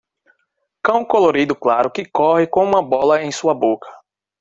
Cão colorido claro que corre com uma bola em sua boca.